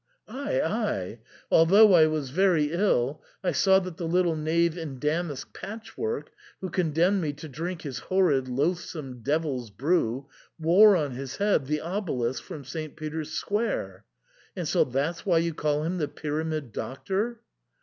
Ay, ay, although I was very ill, I saw that the little knave in damask patchwork, who comdemned me to drink his horrid, loathsome devil's brew, wore on his head the obelisk from St. Peter's Square — and so that's why you call him the Pyramid Doctor